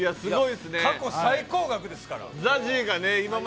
過去最高額ですから。